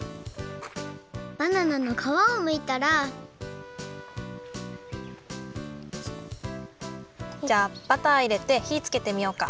バナナのかわをむいたらじゃあバターいれてひつけてみようか。